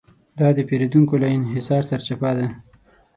دا د پېریدونکو له انحصار سرچپه دی.